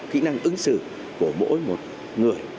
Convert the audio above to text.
kỹ năng ứng xử của mỗi một người